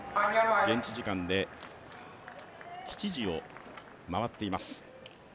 現地時間で７時を回っています。